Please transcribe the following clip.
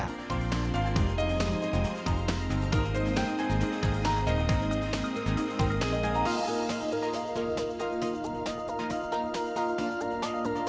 kedua penonton terkesima